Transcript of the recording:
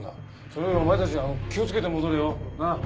それよりお前たち気を付けて戻れよなっ。